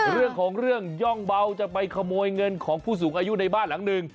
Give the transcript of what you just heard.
เรื่องของเรื่องย่องเบาจะไปขโมยเงินของผู้สูงอายุในบ้านหลังหนึ่ง